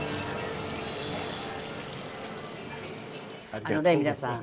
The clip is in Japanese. あのね皆さん。